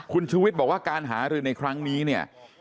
คุณชูวิทย์บอกว่าการหารือในครั้งนี้เนี่ย